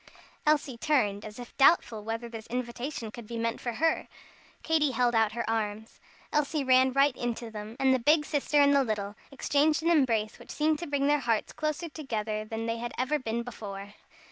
Elsie turned as if doubtful whether this invitation could be meant for her. Katy held out her arms. Elsie ran right into them, and the big sister and the little, exchanged an embrace which seemed to bring their hearts closer together than they had ever been before.